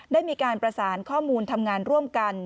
ได้มีการประสานข้อมูลทำงานร่วมกัน